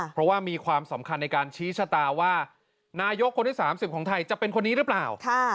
เพราะว่ามีความสำคัญในการชี้ชะตาว่านายกคนที่๓๐ของไทยจะเป็นคนนี้หรือเปล่า